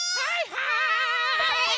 はい！